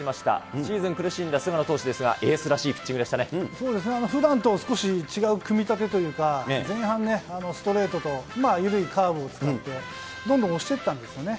シーズン苦しんだ菅野投手ですが、そうですね。ふだんと少し違う組み立てというか、前半ね、ストレートと、緩いカーブを使って、どんどん押していったんですよね。